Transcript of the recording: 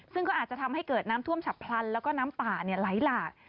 ซึ่งก็อาจจะทำให้เกิดน้ำท่วมฉับพลันแล้วก็น้ำป่าไหลหลาก